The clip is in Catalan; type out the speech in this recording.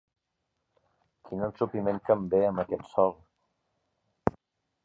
Quin ensopiment que em ve, amb aquest sol!